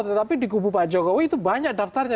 tetapi di kubu pak jokowi itu banyak daftarnya